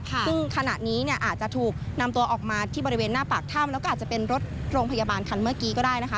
ซึ่งขณะนี้เนี่ยอาจจะถูกนำตัวออกมาที่บริเวณหน้าปากถ้ำแล้วก็อาจจะเป็นรถโรงพยาบาลคันเมื่อกี้ก็ได้นะคะ